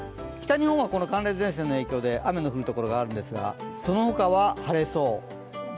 北日本は寒冷前線の影響で雨の降るところがあるんですが、その他は晴れそう。